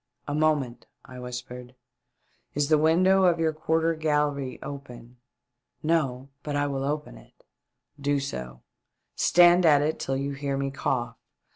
" A moment," I whispered. Is the window of your quarter gallery open ?"" No ; but I will open it." " Do so ; stand at it till you hear me cough.